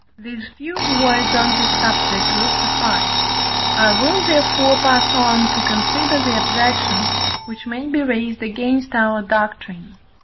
These few words on this subject will suffice: I will therefore pass on to consider the objections, which may be raised against our doctrine.